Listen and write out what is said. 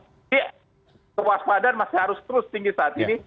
jadi kewaspadaan masih harus terus tinggi saat ini